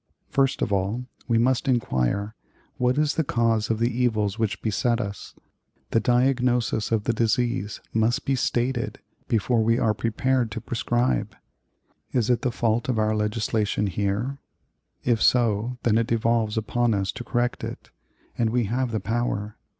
"First of all, we must inquire what is the cause of the evils which beset us? The diagnosis of the disease must be stated before we are prepared to prescribe. Is it the fault of our legislation here? If so, then it devolves upon us to correct it, and we have the power.